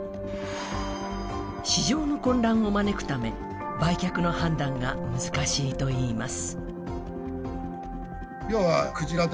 市場の混乱を招くため、売却の判断が難しいといいます。